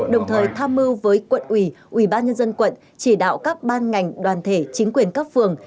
đồng thời tham mưu với quận ủy ủy ban nhân dân quận chỉ đạo các ban ngành đoàn thể chính quyền các phường